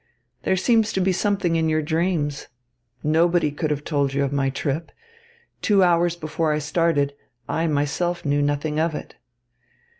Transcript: There seems to be something in your dreams. Nobody could have told you of my trip. Two hours before I started, I myself knew nothing of it.